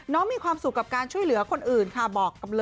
มีความสุขกับการช่วยเหลือคนอื่นค่ะ